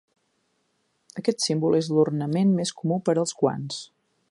Aquest símbol és l'ornament més comú per als guants.